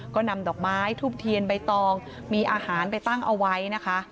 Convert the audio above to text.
ก็นำดอกไม้ทูบเทียนใบตองมีอาหารไปตั้งเอาไว้นะคะ